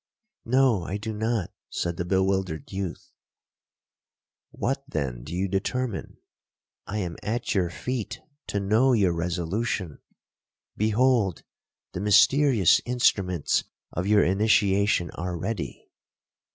'—'No, I do not,' said the bewildered youth.—'What, then, do you determine?—I am at your feet to know your resolution. Behold, the mysterious instruments of your initiation are ready.